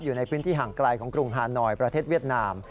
อยู่ในพื้นที่ห่างไกลของกรุงฮานอยประเทศเวียดนาม